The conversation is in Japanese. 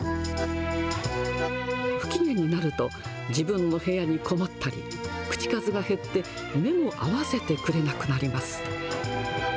不機嫌になると、自分の部屋に籠ったり、口数が減って目も合わせてくれなくなります。